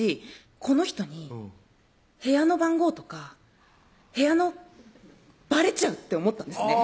この人に部屋の番号とか部屋のバレちゃうって思ったんですね